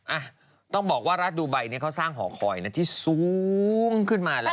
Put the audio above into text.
อ่ะต้องบอกว่ารัฐดูไบเนี่ยเขาสร้างหอคอยนะที่สูงขึ้นมาแล้ว